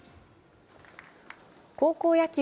高校野球